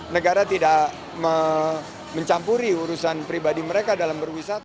negara tidak mencampuri urusan pribadi mereka dalam berwisata